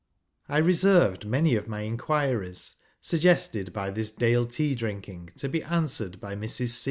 I ' reserved many of my inquiries, suggested by ' this Dale tea drinking, to be answered by Ml'S.